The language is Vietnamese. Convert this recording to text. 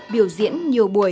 biểu diễn nhiều buổi